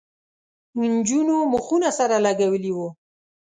نجونو مخونه سره لگولي وو.